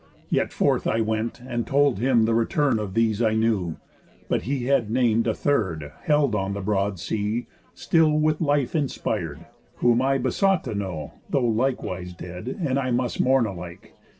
Yet forth I went, and told him the return Of these I knew; but he had nam'd a third, Held on the broad sea, still with life inspir'd, Whom I besought to know, though likewise dead, And I must mourn alike.